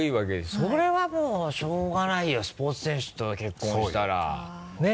それはもうしょうがないよスポーツ選手と結婚したら。ねぇ？